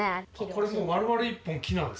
これもう丸々一本木なんですか？